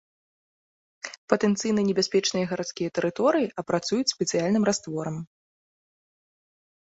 Патэнцыйна небяспечныя гарадскія тэрыторыі апрацуюць спецыяльным растворам.